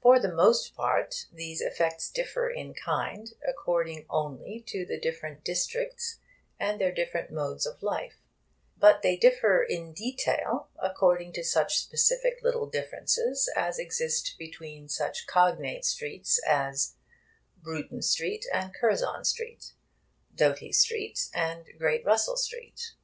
For the most part, these effects differ in kind according only to the different districts and their different modes of life; but they differ in detail according to such specific little differences as exist between such cognate streets as Bruton Street and Curzon Street, Doughty Street and Great Russell Street.